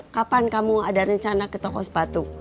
kapan kamu ada rencana ke toko sepatu